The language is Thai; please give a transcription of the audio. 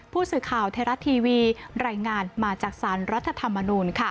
ผู้สื่อข่าวไทยรัฐทีวีรายงานมาจากสารรัฐธรรมนูล